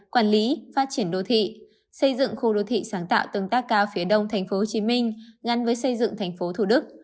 quản lý phát triển đô thị xây dựng khu đô thị sáng tạo tương tác cao phía đông tp hcm ngăn với xây dựng tp thủ đức